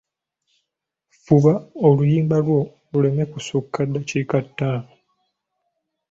Fuba oluyimba lwo luleme kusukka ddakiika ttaano.